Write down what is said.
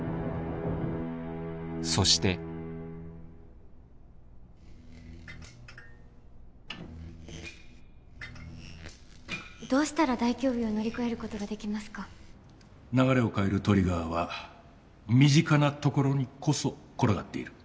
そしてどうしたら大凶日を乗り越えることができ流れを変えるトリガーは身近なところにこそ転がっている。